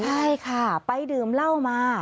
ใช่ค่ะไปดื่มเหล้ามา